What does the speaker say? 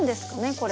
これ。